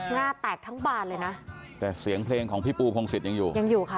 หน้าแตกทั้งบานเลยนะแต่เสียงเพลงของพี่ปูพงศิษย์ยังอยู่ยังอยู่ค่ะ